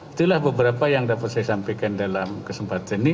itulah beberapa yang dapat saya sampaikan dalam kesempatan ini